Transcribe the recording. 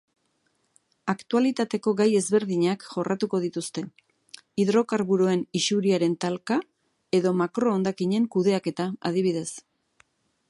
Aktualitateko gai ezberdinak jorratuko dituzte, hidrokarburoen isuriaren talka edo makro-hondakinen kudeaketa adibidez.